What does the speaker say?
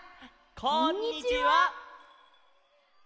こんにちは。